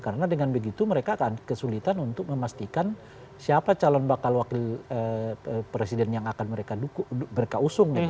karena dengan begitu mereka akan kesulitan untuk memastikan siapa calon bakal wakil presiden yang akan mereka usung gitu